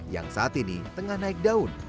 yang saat ini tengah naik daun